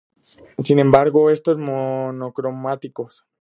Sin embargo, estos son monocromáticos.